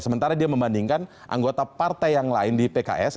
sementara dia membandingkan anggota partai yang lain di pks